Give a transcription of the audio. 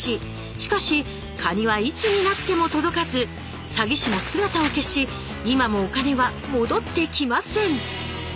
しかしカニはいつになっても届かず詐欺師も姿を消し今もお金は戻ってきません